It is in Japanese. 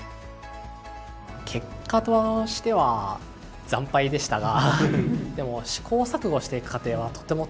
結果としては惨敗でしたがでも試行錯誤していく過程はとても楽しかったですね。